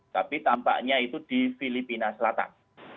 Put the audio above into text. tapi tampaknya itu di filipina selatan